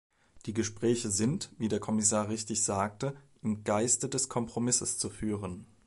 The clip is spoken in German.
Die Gespräche sind, wie der Kommissar richtig sagte, im Geiste des Kompromisses zu führen.